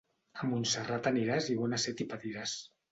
A Montserrat aniràs i bona set hi patiràs.